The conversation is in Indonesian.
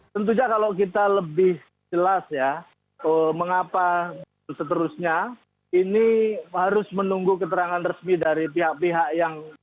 tentunya kalau kita lebih jelas ya mengapa seterusnya ini harus menunggu keterangan resmi dari pihak pihak yang